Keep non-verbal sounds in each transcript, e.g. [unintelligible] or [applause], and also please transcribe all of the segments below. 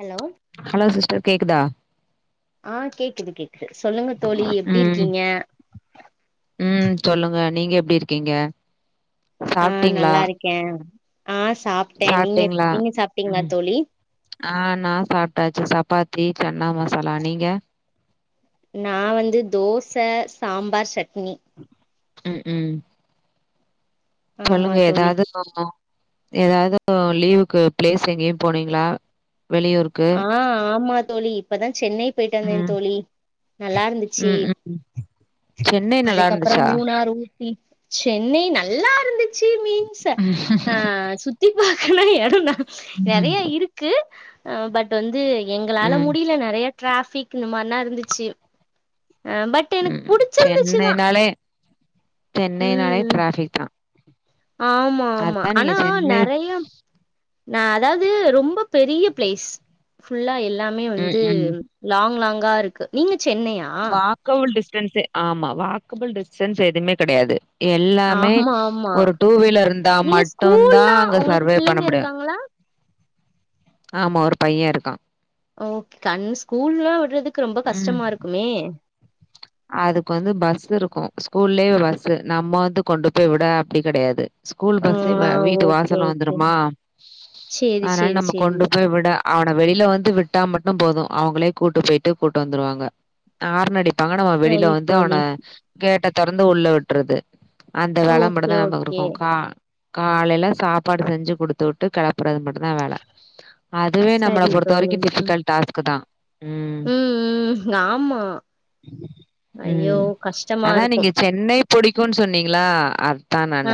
Hello hello sister கேக்குதா ஆ கேக்குது கேக்குது சொல்லுங்க தோழி எப்டி ம் இருக்கீங்க ம் சொல்லுங்க நீங்க எப்டி இருக்கீங்க ஆ சாப்ட்டீங்களா நல்லா இருக்கே ஆ சாப்ட்டே நீங்க சாப்ட்டீங்களா நீங்க சாப்டீங்ளா ம் தோழி ஆ நா சாப்ட்டாச்சு சப்பாத்தி சன்னா மசாலா நீங்க நான் வந்து தோச சாம்பார் சட்னி சட்னி ம் ம் ஆமா சொல்லுங்க தோழி ஏதாது ஏதாவது லீவுக்கு பிளேஸ் எங்கேயும் போனீங்களா வெளியூருக்கு ஆ ஆமா தோழி இப்பதான் சென்னை போயிட்டா வந்தேன ம் தோழி நல்லா இருந்துச்சி ம் ம் சென்னை நல்லா அதுக்கப்பறோ இருந்துச்சா மூணாறு ஊட் சென்னை நல்லா இருந்து மின்ஸ் ம் ஹா சுத்தி பாக்க [unintelligible] ம் நெறைய இருக்கு ஆ பட் வந்து எங்களால ம் முடில நெறைய டிராஃபிக் இந்த மாரிலா இருந்துச்சு அஹ் பட் எனக்கு ம் புடிச்சிருந்துச்சுதான் சென்னைனாலே சென்னைனாலே உம் டிராஃபிக் தா ஆமா ஆமா அதா நீங்க ஆனா சென்னை நெறைய நான் அதாவது ரொம்ப பெரிய பிளேஸ் ஃபுல்லா இல் எல்லாமே ம் வந்து ம் லாங் லாங் கரு இருக்கு நீங்க சென்னையா வாக்கபுள் டிஸ்டன்ஸே ஆமா வாக்கபிள் டிஸ்டன்ஸ் எதுமே கிடையாது எல்லாமே ஆமா ஆமா ஒரு டூ வீலர் இருந்தா நீங்க மட்டும்தா ஸ்கூல்னா அங்க உங்களுக்கு சர்வே பண்ண பிள்ளைங்க முடியும் இருக்காங்களா ஆமா ஒரு பையன் இருக்கான் ஓகே கண் ஸ்கூல்லாம் விடுறதுக் கு ரொம்ப ம் கஷ்டமா இருக்குமே அதுக்கு வந்து பஸ் இருக்கும் ஸ்கூல்லயே பஸ் நம்ம வந்து கொண்டு போய் விட அப்டி கிடையாது ஸ்கூல் ஆ பஸ்ஸே வீட்டு ஓகே வாசல்ல ஓகே வந்துருமா சேரி அதனால சேரி நம்ம சேரி கொண்டு போய் விட அ வெளிய வந்து விட்டா மட்டும் போதும் அவங்களே கூட்டு போயிட்டு கூட்டு வந்துருவாங்க ஆறன்அடிப்பாங்க பாங்க நம் வெளியில சரி வந்து தோழி அவனை கேட்ட தொறந்து உள்ள விட்டுறது அந்த வேலை ஓகே மட்டும் தா நம்மக்கு ஓகே இருக்கு காலையில சாப்பாடு செஞ்சு குடுத்து விட்டு களப் ப்புறது மட்டும்தா வேல அதுவே நம்மள சரி பொறுத்த தோழி வரைக்கும் டிபிகல் டாஸ்க் தா ம் ம் ம் ஆமா ஐயோ ம் கஷ்டமா அதா இருக்கு நீங்க சென்னை புடிக்குன்னு சொன்னீங்களா அத் ஆ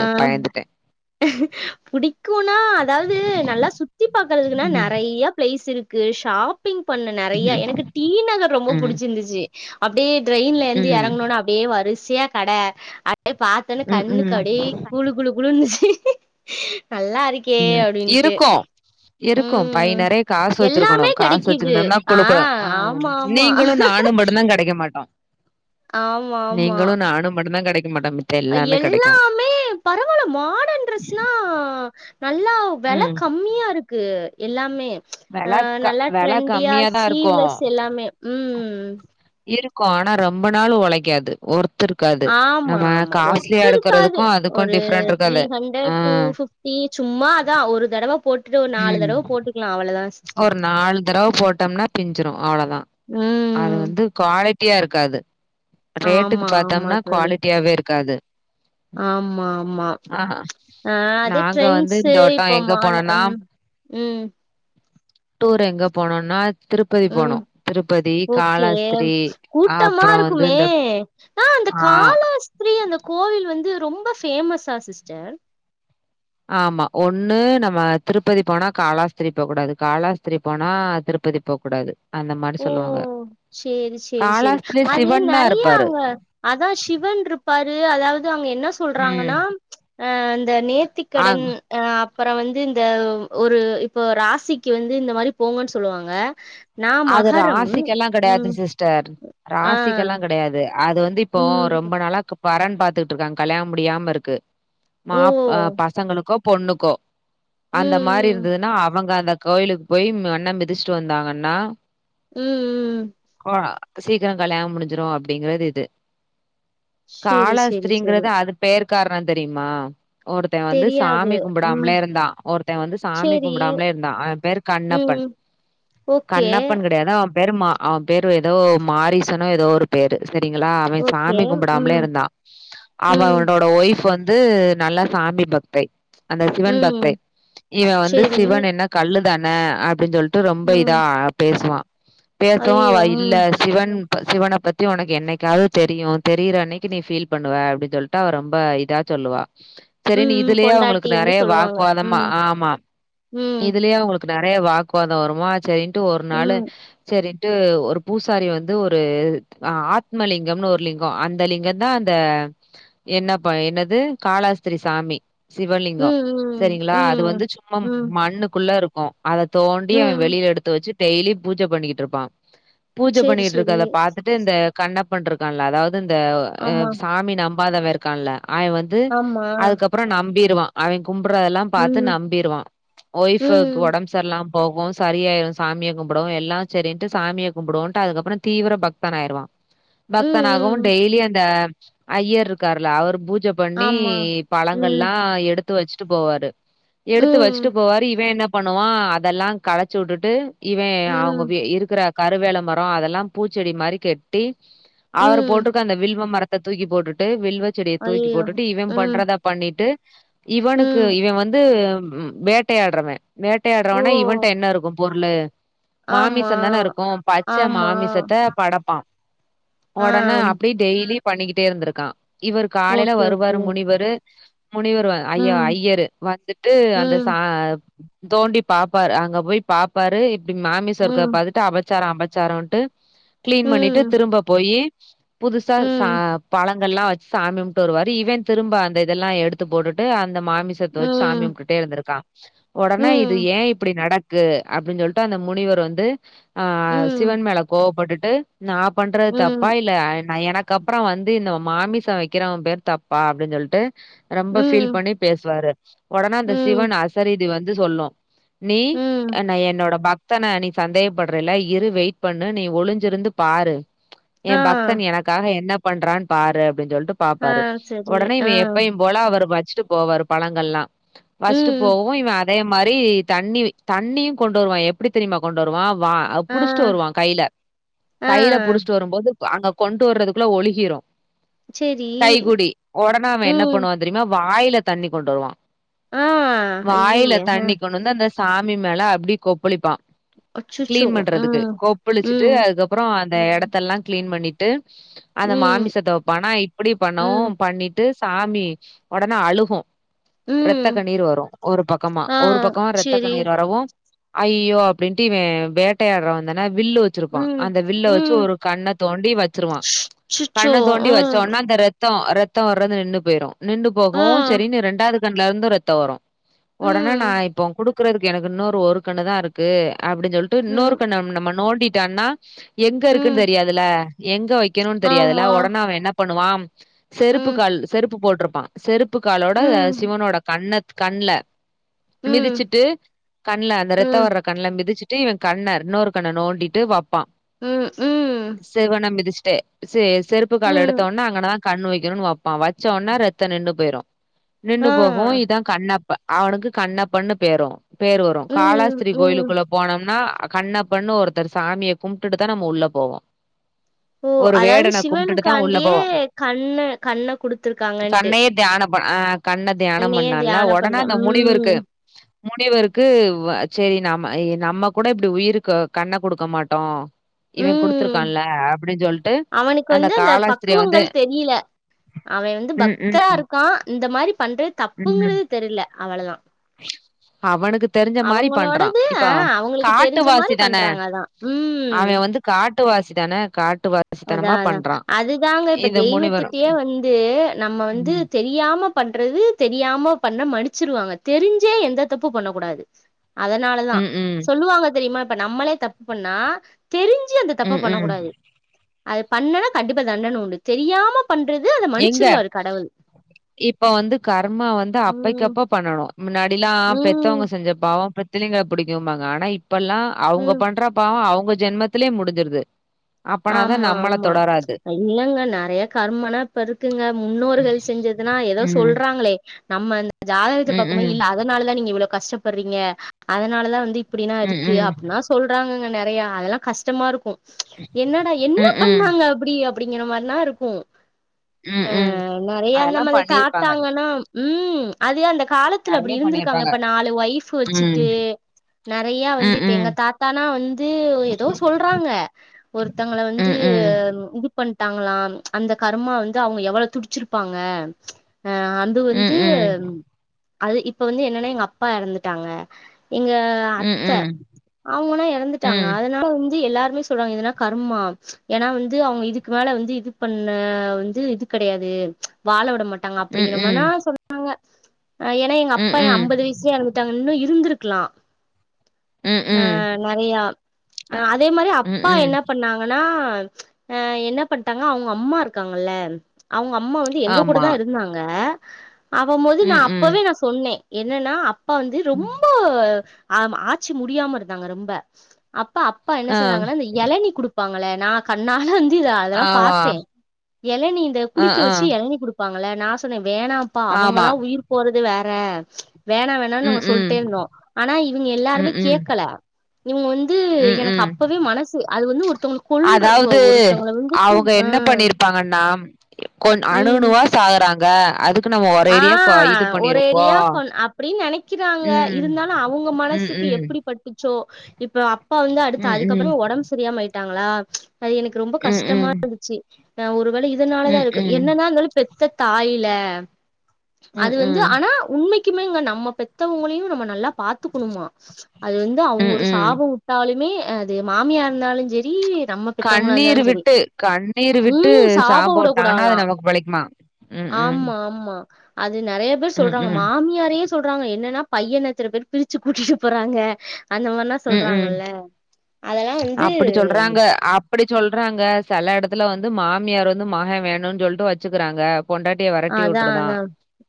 புடிக்குன்னா அதாவது நல்லா சுத்தி பாக் க்கறதுனா ம் நெறைய ஃப்ளே ஸ் இருக்கு ஷாப் பிங் பண்ண நெறையா எனக்கு டி நகர் ரொம்ப ம் புடிச்சிருந்துச்சு அப் ப்டியே ட்ரெயின்லேந்து ம் எறங்னோன்னே அப்டியே வரிஸ் சையா கட அ ப்டே பாத்தன்ன ம் கண்ணுக் ம் அப்டி குளு குளு குளு ன்னு நல்லா இருக்கே ம் அப்டின்ட்டு இருக்கும் இருக்கும் பை ம் நெறைய காசு எல்லாமே வச்சிருக்கணும் காசு கெடைக்குது. வச்சிருந்தோம்னா கொலுக்கனு ஆ ஆமா ஆமா நீங்களு நானும் மட்டுந்தா கெடைக்க மாட் டோ நீங்களு நானும் மட்டுந்தா கடைக் அ எல்லாமே பரவால்ல மாடன் ட்ரெஸ்னா நல்லா வெல ம் கம்மியா இருக்கு கு எல்லாமே ச் வெல அஹ் க நல்லா வெல ட்ரெண்டியா கம்மியாதா இருக்கு ஸ்லீவ்லெஸ் எல்லாமே உம் க்கு ஆனா ரொம்ப நாள் ஒழைக்காது ஒரு ஆமா ஆமா ஒர்த்து இருக்காது எடுக்கறதுக்கு அதுக்கு ஒரு டிஃப்ரெண்ட் த்ரீ இருக்காது ஆ ஹண்ட்ரட் டூ ஃபிப்டி சும்மா அதா ஒரு தடவ போட்டுட்டு ஒரு நாலு ம் தடவ போட்டுக்கலா அவ்வளதா ஸ் ஒரு நாலு தடவ போட்டோம்னா பிஞ்சிரு அவ்வளதா அது ம் வந்து குவாலே ட்டியா இருக்காது ரேட்டுக்கு ஆமா ஆமா பாத்தோம்னா தோழி குவாலிட்டியாவே இருக்காது ஆமா ஆமா ஆ ச் ஆஹ் அது நாங்க வந்து ட்ரெண்ட்ஸு இந்த வட்டோ இப்போ எங்க மால் போனோனா ம் உம் டூர் எங்க போனோன்னா உம் ஓகே காலாஸ்திரி கூட்டமா அப்றோ வந்து இருக்குமே இந்த ஆ அந்த காலஸ்த்ரீ அந்த கோவில் வந்து ரொம்ப ஃபேமஸ்ஸா சிஸ்டர் ஆமா ஒண்ணு நம்ம திருப்பதி போனா காலாஸ்திரி போ கூடாது காலாஸ்திரி போனா திருப்பதி போ கூடாது ஓ சேரி சேரி சேரி காலாஸ்திரி அது சிவன் தான் நெறயா இருப்பாரு. அங்க அதா சிவன் இருப்பாரு இது அதாவது அங்க என்ன ம். சொல்றாங்கன்னா ஆன் இந்த ஆ நேத்திக்கடன் ஆ அப் அப்பறோ வந்து இந்த ஒரு இப்போ ராசிக்கு வந்து இந்த மாரி போங்கன்னு சொல்லுவாங்க நாமா ராசிக்கெல்லா கெடையாது சிஸ்டர் ஆ ராசிக்கெல்லா கெடையாது அது வந்து இப்போ ரொம்ப ம் நாளா வரன் பாத்துட்டு இருக்காங்க கல்யாண் முடியாம இருக்கு ஓ மாப் பசங்களுக்குப் பொண்ணுக்கோ ம் அந்த மாரி ம் இருந்ததுன்னா அவங்க அத கோயிலுக்கு போய் மண்ண மிதிச்சிட்டு வந்தாங்கன்னா ம் ம் சீக்கிரோ கல்யாணம் முடிஞ்சிரு அப்டிங்கிறது இது சேரி சேரி சேரி காலாஸ்திரீங்றது அது பேரு காரணோ தெரியுமா ஒருத்தே வந்து தெரியாது. சாமி ம். கும்பிடாமலே இருந்தா ஒருத்தே வந்து சாமி சரி. கும்பிடாமலே இருந்தா அவே பேரு ம். கண்ணப்பன் ஓகே. கண்ணப் பண் கிடையாதாம் பேரு மா அவே பேரு எதோ மாரிசனோ எதோ ஒரு பேரு செரிங்களா அவே ஓகே. சாமி கும்பிடாமலே ம். இருந்தா ம். அவனோட ஒய்ஃப் வந் து நல்லா சாமி பக்தை அந்த சிவன் ம். பக்தை இவ வந்து சரி. சிவன் என்ன கல்லு தான அப்டின் சொல் ட்டு ரொம்ப ம். இதா பேசுவா பேசவு அவ அய்யய்யோ! இல்ல ம். சிவன் சிவன பத்தி ஒனக்கு என்னைக்காது தெரியு தெரிற அன்னக்கி நீ ஃபீல் பண்ணுவ அப்டின் சொல்ட்டு அவ ரொம்ப இதா சொல்லுவா ம். சரின்னு ம். இதுலயே அவங்களுக்கு பொண்டாட்டி வந்து நெறய சொல்லுவாங்க. வாக்குவாதமா ம். ஆமா ம். இதுலயே அவங்களுக்கு நெறய வாக்குவாத வருமா செரின் ட்டு ஒரு நாளு ம். செரின் ட்டு ஒரு பூசாரி வந்து ஒரு ஆத்மலிங்கம்னு ஒரு லிங்கோ அந்த லிங்கந்தா அந்த என்ன என்னது காலாஸ்திரி சாமி சிவலிங்கோ ம். ம். சரிங்களா அது ம். வந்து சும்மா ம். மண்ணுக்குள்ள இருக் கு அத தோண்டி அவ ம். வெளில எடுத் ச்சு டெய்லி பூஜ பண்ணிகிட்டு இருப்பா பூஜ சரி, சரி. பண்ணிட்ருக்கறத பாத்துட்டு இந்த கண்ணப்பன் இருக்காண்ல அதாது இந்த அ ஆமா. சாமி நம் பாதவ இருக்கான்ல அவ வந்து ஆமா. அதுக்கப்பறோ நம் பிருவா அவ கும்படுறதெல்லா பாத்து ம். நம்பிருவா ஓய்ஃபுக் ம். ஒடம்பு சர்லாம் போ ‌போக சரியாய்ரு சாமிய கும்புடவு எல்லா சரின்ட்டு சாமிய கும்புடுவோன்ட்டு அதுக்கப்புறோ தீவிர பக்தன் ஆய்ருவா பக்தனாகவு ம். டெய்லி அந்த ஐயர் இருக்கார்ல அவர் பூஜ் ஜ பண்ணி ஆமா. ம். பழங்கள்ல்லா எடுத் து வச்சுட்டு போவாரு எடுத்து ம். வச்சுட்டு போவாரு இவன் என்ன பண்ணுவா அதெல்லா கலச்சி உட்டுட்டு இவ ம். அவங்க இருக்குற கருவேள மரோ அதெல்லா பூச்செடி மாரி கெட்டி அவர ம். போட்ருக்க அந்த வில்வ மர த்த தூக்கி போட்டுட்டு வில்வ செடிய தூக்கி அய்யய்யோ! போட்டுட்டு இவன் ம். பண்றத பண்ணிட்டு இவனுக்கு ம். இவ வந்து ம் வேட்டையாட்றவன் ஓ! வேட்டையாடுறவனா இவன்ட என்ன இருக்கும் பொருளு மாமிசோந் ஆமா. தான இருக்கு பச்ச ஆமா மாமிசத்த படப்பான் ஆ ஒடன அப்டியெ டெய்லி பண்ணிக்கிட்டே இருந்துருக்கா இவரு காலைல ஓகே ஓகே வருவாரு முனிவரு முனிவர் ஐயா ம் ஐயரு வந்துட்டு அந்த ச ம் தோண்டி பாப்பாரு அங்க போய் பாப்பாரு ப்படி மாமிச இருக்குறத ம் பாத்துட்டு அவர் சாரம் அபச்சாரம்ன்ட்டு கிளீன் பண்ணிட்டு ம் திரும்ப போயி ச புதுசா ச ம் பழம் ல்லாம் வெச்சு சாமின்ட்டு வருவாரு இவன் திரும்ப அந்த இதெல்லாம் எடுத்து போட்டு அந் இந்த மாமிசத்த வெச்சு சாமி ம் கும்டுட்டே இருந்திருக்கான் ம் உடனே இது ம் ஏன் இப்படி நடக் கு அப்படின்னு சொல் ட அந்த முனிவர் வந்து ஆஹ் சிவன் மேள கோவப்பட்டுட் டு நான் பண்றது தப்பா ம் இல்ல ந எனக்கு அதுக்கப்பறம் வந்து இந்த மாமிசம் வெக்கிறவேன் பேர் தப்பா அப்படின்னு சொல்டு ரொம்ப ஃபீல் ம் பண்ணி பேசுவாரு ஒடேனா அந்த ம் சிவன் ஆசரீதி வந்து து சொல்லும் நீ ம் ஆ ந என்னோட பக்தன நீ சந்தேக்ப்பட்றல இரு வெயிட் பண்ணு நீ ஒளிஞ்சிருந்து பாரு எ ஆ பக்தன் எனக்காக என்ன பண்றான் பாரு அப் அப்டின் சொல்ட்டு ஆ பாப்பாரு சரி ஒடனே இவ ஆ எப்பையும் போல அவரு [unintelligible] வச்ட்டு போவாரு பழங்கள் லா வச்ட்டு ம் போவோ இவ அதே மாரி தண்ணி தண்ணியு கொண்டு வருவா எ ப்டி தெரிமா கொண்டு வருவா வா ஆ புடிஷ்ட்டு வருவா கைல ஆ கைல புடிஷ்ட்டு வரும்போது அங்க கொண்டு வறதுக்குள்ள ஒழுகிரு செரி கைகுடி ஒடன அவ என்ன ம் பண்ணுவா தெரிமா வாயி ல்ல தண்ணி கொண்டு வருவா ஆ வாயில ஐயய்ய ஆ தண்ணிக்கொன்னந்து அந்த சாமி மேல அப்டி கொ ப்பளிப்பா அச்சச்சோ க்ளீன் பண்றதுக்கு ம் கொப்புளிச்சுட்டு ம் அதுக்கப்றோ அந்த ம் எடத்தெல்லா க்ளீன் பண்ணிட் ட்டு அந்த ம் மாமிசத்த வப்பானா இப்படி பண்ணவு ம் பண்ணிட்டு சாமி ஒடனே அழுகு ரத்த ம் கண்ணீர் வரு ஒரு பக்கமா ஆ ஒரு பக்கமா ரத்த செரி கண்ணீர் வரவு ஐயோ அப்டின்ட்டு இவே வேட்டயாட்றவந்தான வில்லு வச்சுருப்பா ம் அந்த வில்ல வச்சு ம் ஒரு கண்ண தோண்டி வச்சுருவா கண்ண அச்சச்சோ தோண்டி ம் வச்சோன அந்த ரத்தோ ரத்த தோ வறது நின்னு போய்ரு நின்டு ஆ, போகுவு செரினு ரெண்டாது கண்லர்ந்து ரத்தோ வரு ஒடனே நா ம், இப்போ உங் குடு க்குறதுக்கு எனக் இன்னொரு ஒரு கண்ணுதாருக்கு அப்டி சொல்ட்டு இன்னொரு ம், கண்ண [unintelligible] நம்ம நோண்டி டண்ணா எங்கருக்கன் ம், தெரியாதுல எங்க வைக் கனுன் தெரியாதுல ஆமா, ஒடன அவ என்ன பண்ணுவாம் செருப்பு ம், கால் செருப்பு போட்றப் செருப் ப்பு காலோட ம், சிவனோட கண்ணத் கண்ல ம், மிதிச்சுட்டு கண்ல ரத்த ம், வர கண்ல மிதிச்சிட்டு இவன் கண்ணர் இன்னொரு கண்ண நோண்டிட்டு வப்ப பான் ம், ம், சிவன மிதிச்சு [unintelligible] செருப்புக்கால ம், எடுத்தோன்ன அங்கனா கண்ணு வைக்கணுன்னு வப்பான் வச்சோன்ன ரத்த நின்னு போய்ரு ஆ, நின்னு போகு இதா கண்ணப் ப அவனுக்கு கண்ணப்பன்னு பேரும் பேரு ம், காலாஸ்திரீ ம். கோயிலுக்குள்ள போனோம்னா கண்ணப்பன்னு ஒருத்தர் சாமிய கும்ட்டுட்டு தா நாம உள்ள போவோ ஓ அதாவது தான் உள்ள சிவனுக்காண்டியே போவோம். கண்ண கண்ண குடுத்துருக்காங்கன்ட்டு வ ஆ கண்ண தியான கண்ணையே பண்ணால தியானம் ஒடனே பண்ற அந்த முனிவர்க்கு ம், முனிவருக்கு வ செரி நாம நம்ம கூட இப்டி உயிருக்கு கண்ண குடுக்க மாட்டோ ம் அவனுக்கு வந்து அந்த காலாஸ்திரிய வந்து பக்குவங்கள் தெரியல அவே வந்து ம், ம், பக்தரா இருக்கான் இந்த மாரி பண்றது ம். தப்புங்கறது தெரியல அவ்ளதா அவனுக்கு தெரிஞ்ச மாரி பண்றான். அவங்களோடது ஆ இப்ப அவங்களுக்கு தெரிஞ்ச மாரி காட்டுவாசி தானே. பண்றாங்க அதா ம் ட்டு வாசிதான காட் அதா அதா அதுதாங்க இப்ப இந்த முனிவரும். தெய்வத்துட்டயே வந்து நம்ம வந்து ம். தெரியாம பண்றது தெரியாம பண்ண மன்னிச்சிருவாங்க தெரிஞ்சே எந்த தப்பு பண்ண கூடாது அதனாலதா ம், ம். சொல்லுவாங்க தெரியுமா இப்ப நம்மளே தப்பு பண்ணா தெரிஞ்சி அந்த தப்பா ம், பண்ண ம். கூடாது அத பண்ணன்னா கண்டிப்பா தண்டன உண்டு தெரியாம பண்றது அத எங்க மன்னிச்சிருவாரு கடவுள் இப்ப வந்து கர்மா வந்து ம் அப்பைக்கப்ப பண்ணணு மின்னாடியெல்லா ம் பெத்தவங்க செஞ்ச பாவ பெத் பிள்ளைங்கள பிடிக்குவாங்க ஆனா இப் எல்லா அவங்க ம் பண்ற பாவொ அவு ங்க ஜென்மத்திலயே முடிஞ்சிருது அப்பனாதா ஆமா நம்மள ஆமா தொடராது இல்லங்க நறைய கருமா ஆன இப்ப இருக்குங்க முன்னோர்கள் செஞ்சதுன்னா ஏதோ ம் சொல்றாங்களே நம்மன் ஜாதகத்த ம் பக்கம ம் இல்ல அதனால தா நீங்க இவ்வள கஷ்டப்படுறீங்க அதனாலதா வந்து இ ப்படில்லா ம் இருக்கு ம் அப்டில்லா சொல்றாங்கங்க நெறைய அதெல்லா கஷ்டமா இருக்கு என்னடா என்ன ம் ம் பண்ணாங்க அப்புடி அப் டிங்கிற மாரிலா இருக்கு ம் ம் அஹ்ம் நெறைய அந்த அதெல்லா மாரி பண்ணிருப்பாங்க தாத்தாங்கன்னா உம் அது ஏ அந்த காலத்துல நெறைய அப்டி இருந்திருக்காங்க பண்ணிருப்பாங்க இப்ப நாலு ஒய்ஃப் ம் வச்சுட்டு நெறைய வந்து ம் இப்ப ம் எங்க தாத்தானா வந்து ஏதோ சொல்றாங்க ஒருத்தங்கள வந்து ம் ம் இது பண் ணட்டாங்களா அந்த கருமா வந்து அவங்க எவ்ள துடிச்சிருப்பாங்க ஆஹ் அந்து ம் ம் வந்து ம் அது இப்ப வந்து என்னன்னா எங்க அப்பா எறந்துட்டாங்க எங்க ம் அத்த ம் அவங்கனா எறந்துட்டாங்க ம் அதனால வந் எல்லாருமே சொல்றாங்க இதனா கர்மா ஏனா வந்து அவங்க இதுக்கு மேல வந்து இது பண்ண வந்து இது கெடையாது வாழ விடம் மாட்டாங்க ம் ம் அப்டிங்கிற மார்தா சொன்னாங்க ஆஹ் ஏனா எங்க அப்பா எ அம்பது ம் வயசுலயே எறந்துட்டாங்க இன்னு இருந்திருக் க்ளா ம் ம் அஹ் நெறைய அ அஹ் அதே மாரி ம் அப்பா ம் என்னப் பண்ணாங்கன்னா என்ன பண்ட்டாங்க அவங்க அம்மா இருக்காங்கல்ல அவங்க அம்மா வந்து எங்க கூட ஆமா தா இருந்தாங்க ஆகம் போது நா ம் ம் அப்பவே நா சொன்னே என்னன்னா அப் பா வந்து ரொம்பொ ஆமா ஆச்சி முடியாம இருந்தாங்க ரொம்ப அப் ப அப்பா என்ன ஆ செஞ்சாங்கன்னா அந்த எளநி ப்பாங்கள நா கண்ணால அதெல்லா ஆமா பாத்தே எளநி இந்த ஆ குளிக்க ஆ வெச்சு எளநி குடு ப்பாங்கள நா சொன்னே வேணாம்ப்பா ஆமா அவங்களா உயிர் போறது வேற வேணா வேணானு ம் நாங்க ம் சொல்ட்டே இருந்தோ ஆனா இவங்க ம் எல்லாருமே ம் கேட்கல நீங்க ஒந் து ம் எனக்கு ம் அப்பவே மனசு வந்து ஒருத்தவங்கள கொல்ற அதாவது ஒருத்தவங்கள அவங்க ஆ என்ன பண்ணிருப்பாங்கன்னா கொ அணுவணுவா சாகற றாங்க அது நம்ம ஒரேடியா ஆஹ் ஒரேடியா கொ அப்படின்னு நெனைக்கிறாங்க ம். இருந்தாலு அவங்க ம், மனசுக்கு ம். எப்படி பட்டுச்சோ இப்போ அப்பா வந்து அடுத்த ம், அதுக்கப்புற ம். ஒடம்பு சரியாம ஆயிட் விட்டாங்களா அது எனக்கு ரொம்ப ம், கஷ்டமா ம். இருந்துச்சு ஆஹ் ஒ வேல இதனாலதா ம், இருக்கு ம். என்ன தான் பெத் த்த தாயில அது ம், வந்து ம். ஆனா உண்மைக்கு க்குமே இங்க நம்ம பெத்தவங்களையும் நம்ம நல்லா பாத்துக்கணுமா அது வந்து அவங்க ஒரு ம். சாபம் விட்டாலுமே அது மாமியார் இருந்தாலும் சரி கண்ணீர் விட்டு கண்ணீர் விட்டு ம் சாப விட்டாங்கன்னா வுடக்கூடாதா அது நமக்கு பழிக்குமா உம் உம் ஆமா ஆமா அது நிறைய பேர் சொல்றாங்க மாமியாரே சொல்றாங்க என்ன என்னன்னா பையன் எத்தன பேர் பிரிச்சு கூட்டிட்டு போறாங்க அந்த மாரிலாம் ம், ம். சொல்றாங்கல்ல அதெல்லாம் வந்து அப்படி சொல்றாங்க அப்படி சொல்றாங்க சில இடத்துல வந்து மாமியார் வந்து மகன் வேணும்ன்னனு சொல்லிட்டு வச்சுக்கிறாங்க பொண்டாட்டிய வரட்டி அதா விட்டுருதான் அதா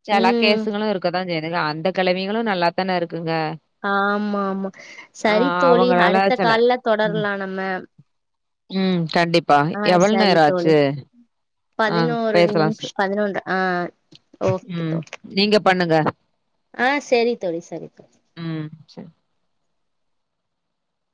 சலா ம் கேசுங்களும் இருக்க செய்துங்க அந்த கிழவிகளும் நல்லா தானே இருக் ஹ ஆமா ஆமா சரி ஆஹ் தோழி அடுத்த அவங்களாலாச்சல்ல கால்ல உம் தொடரலா நம்ம உம் கண்டிப்பா ஆ எவ்வளவு சரி நேரம் தோழி ஆச்சு ஆ பதினோரு பேசலாம் நிமிஷ சார். பதினொன்று ஆஹ் ஓகே ம். நீங்க பண்ணுங்க. ஆ செரி தோழி செரி தோ ம். சரி.